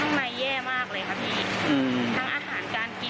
อย่างอาหารอะไรก็ข้าวมี๓มื้อถูกสิ้นค่ะพี่